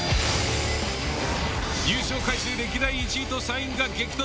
優勝回数歴代１位と３位が激突。